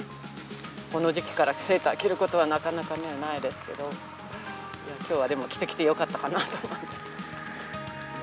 この時期からセーター着ることはなかなかないですけど、きょうは着てきてよかったなと思っています。